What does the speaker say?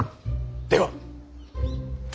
では。